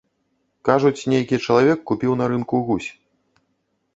Кажуць, нейкі чалавек купіў на рынку гусь.